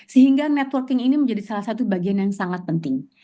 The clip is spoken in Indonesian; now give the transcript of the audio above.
sehingga networking ini menjadi salah satu bagian yang sangat penting